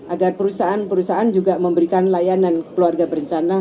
agar perusahaan perusahaan juga memberikan layanan keluarga berencana